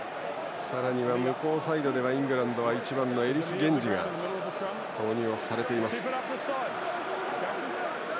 さらに向こうサイドではイングランドは１番のエリス・ゲンジが投入されています。